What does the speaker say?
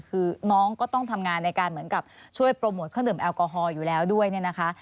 คือน้องก็ต้องทำงานในการเหมือนกับช่วยโปรโมทเครื่องดื่มแอลกอฮอลอยู่แล้วด้วยเนี่ยนะคะ